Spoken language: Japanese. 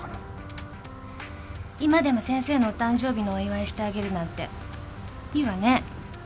今でも先生のお誕生日のお祝いしてあげるなんていいわね。